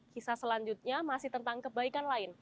kisah selanjutnya masih tentang kebaikan lain